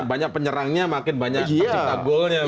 jadi banyak penyerangnya makin banyak cinta golnya